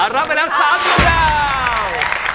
รับไปแล้ว๓ดวงดาวน์